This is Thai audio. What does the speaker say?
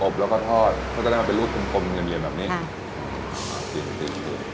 อบแล้วก็ทอดเขาจะได้มาเป็นรูปกลมเหนียวแบบนี้ใช่